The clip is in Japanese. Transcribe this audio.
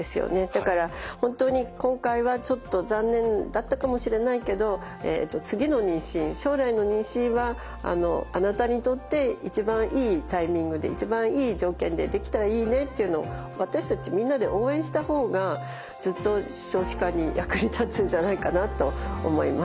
だから本当に今回はちょっと残念だったかもしれないけど次の妊娠将来の妊娠はあなたにとって一番いいタイミングで一番いい条件でできたらいいねっていうのを私たちみんなで応援した方がずっと少子化に役に立つんじゃないかなと思います。